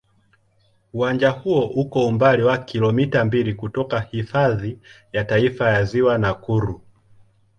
Uwanja huo uko umbali wa kilomita mbili kutoka Hifadhi ya Taifa ya Ziwa Nakuru.